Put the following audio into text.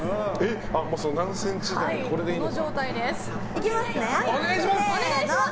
いきますね。